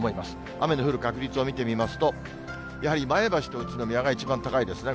雨の降る確率を見てみますと、やはり前橋と宇都宮が一番高いですね。